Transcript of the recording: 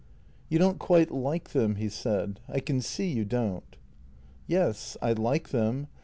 " You don't quite like them," he said. " I can see you don't." " Yes, I like them.